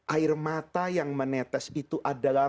air mata yang menetes itu adalah